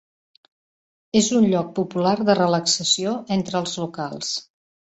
És un lloc popular de relaxació entre els locals.